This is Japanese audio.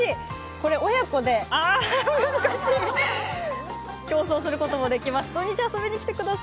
これ親子で競争することもできます。